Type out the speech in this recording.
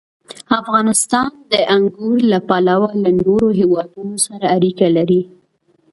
افغانستان د انګور له پلوه له نورو هېوادونو سره اړیکې لري.